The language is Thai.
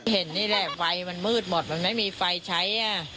เห็นนี่แหละไฟมันมืดหมดมันไม่มีไฟใช้